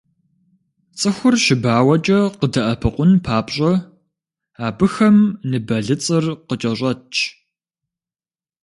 Цӏыхур щыбауэкӏэ къыдэӏэпыкъун папщӏэ, абыхэм ныбэлыцӏыр къыкӏэщӏэтщ.